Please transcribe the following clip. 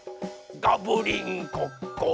「ガブリンコッコ！」